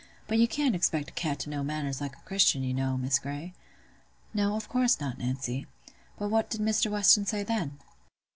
But you can't expect a cat to know manners like a Christian, you know, Miss Grey." "No; of course not, Nancy. But what did Mr. Weston say then?"